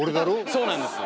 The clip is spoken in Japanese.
そうなんです。